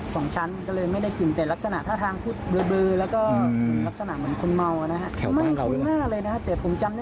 ผมไม่ได้กลิ่นเนอะเพราะว่าผมใส่แม๊ส๒ชั้น